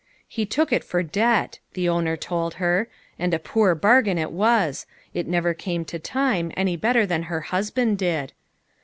" He took it for debt," the owner told her, and a poor bargain it was ; it never came to time, any better than her husband did.